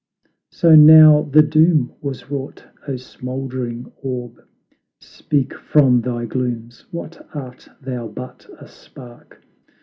So now the doom was wrought; O, smouldering orb, Speak from thy glooms, what art thou but a spark?